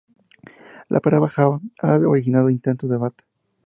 La palabra Java ha originado intenso debate.